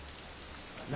何？